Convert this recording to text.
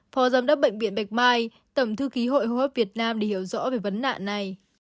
phó giám đốc bệnh viện bạch mai tổng thư ký hội hô hấp việt nam để hiểu rõ về vấn nạn này